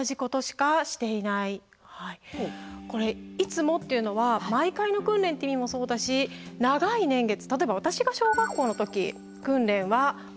これ「いつも」っていうのは毎回の訓練って意味もそうだし長い年月例えば私が小学校の時訓練は放送が入って机の下に入る。